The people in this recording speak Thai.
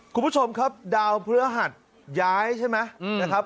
คุณผู้ชมครับดาวเผื้อหัดย้ายใช่ไหม